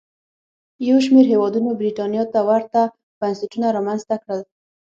یو شمېر هېوادونو برېټانیا ته ورته بنسټونه رامنځته کړل.